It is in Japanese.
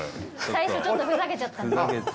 最初ちょっとふざけちゃったんで。